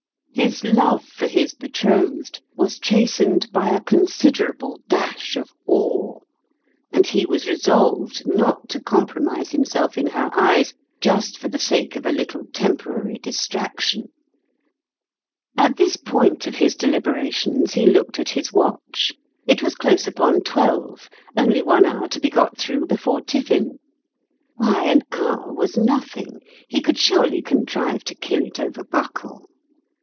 His love for his betrothed was chastened by a considerable dash of awe, and he was re solved not to compromise himself in her eyes just for the sake of a little temporary distrac tion. At this point of his deliberations he looked 2 18 at his watch : it was close upon twelve ; only one hour to be got through before tiffin. Why, an hour was nothing ; he could surely contrive to kill it over Buckle